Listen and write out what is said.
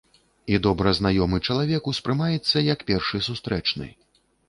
І добра знаёмы чалавек ўспрымаецца як першы сустрэчны.